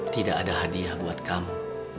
tidak ada hadiah buat kamu